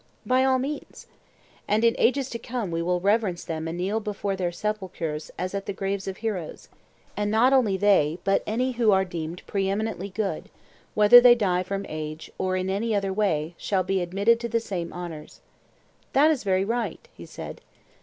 By all means. And in ages to come we will reverence them and kneel before their sepulchres as at the graves of heroes. And not only they but any who are deemed pre eminently good, whether they die from age, or in any other way, shall be admitted to the same honours. That is very right, he said.